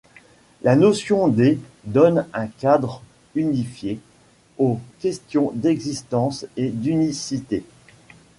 La notion d' donne un cadre unifié aux questions d'existence et d'unicité.